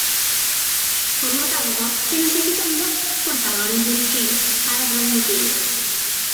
Por lo tanto, se necesitan dos portadores del gen para transmitirla.